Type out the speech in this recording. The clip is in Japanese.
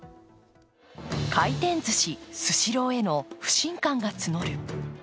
回転ずし・スシローへの不信感が募る。